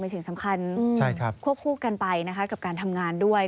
มีสิ่งสำคัญควบคู่กันไปกับการทำงานด้วย